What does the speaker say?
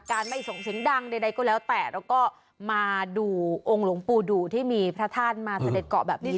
ไม่ส่งเสียงดังใดก็แล้วแต่แล้วก็มาดูองค์หลวงปู่ดูที่มีพระธาตุมาเสด็จเกาะแบบนี้